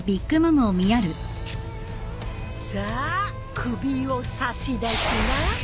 さあ首を差し出しな。